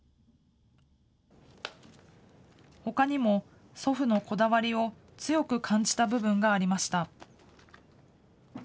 ほかにも、祖父のこだわりを強く感じた部分がありました。